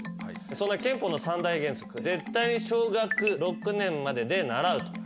そんな憲法の三大原則絶対小学６年までで習うと。